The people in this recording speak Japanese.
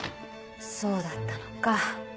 そうだったのか。